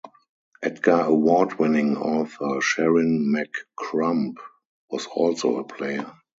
Edgar Award-winning author Sharyn McCrumb was also a player.